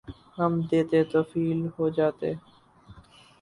ہم دیتے تو فیل ہو جاتے